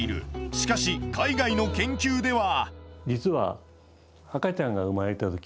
しかし海外の研究では。